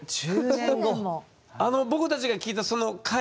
僕たちが聞いたその会？